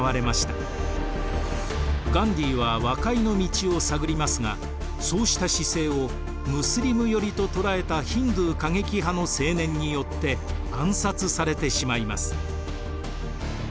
ガンディーは和解の道を探りますがそうした姿勢をムスリム寄りと捉えたヒンドゥー過激派の青年によって暗殺されてしまいます。